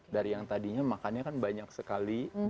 dari yang tadinya makannya kan banyak sekali